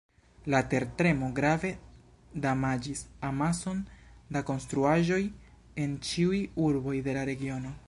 La tertremo grave damaĝis amason da konstruaĵoj en ĉiuj urboj de la regiono.